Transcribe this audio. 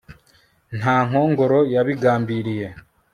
Nta nkongoro yabigambiriye